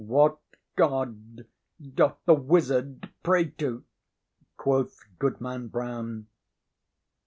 "What God doth the wizard pray to?" quoth Goodman Brown.